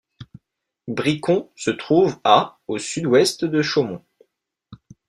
Bricon se trouve à au sud-ouest de Chaumont.